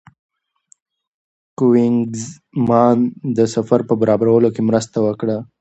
کوېنیګزمان د سفر په برابرولو کې مرسته وکړه.